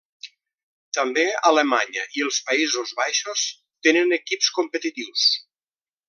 També Alemanya i els Països Baixos tenen equips competitius.